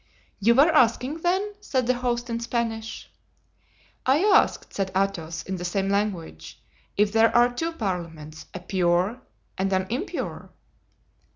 "You were asking, then?" said the host in Spanish. "I asked," said Athos, in the same language, "if there are two parliaments, a pure and an impure?"